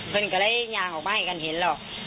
คนนั้นก็เลยเนี่ยออกมาให้กันเห็นแล้ว